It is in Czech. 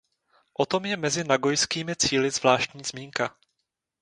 O tom je mezi nagojskými cíly zvláštní zmínka.